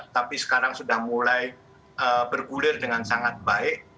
tapi sekarang sudah mulai bergulir dengan sangat baik